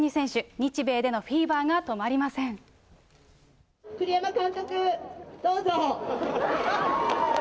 日米でのフィーバーが止まりませ栗山監督、どうぞ。